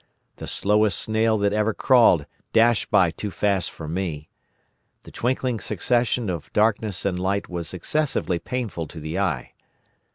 The slowest snail that ever crawled dashed by too fast for me. The twinkling succession of darkness and light was excessively painful to the eye.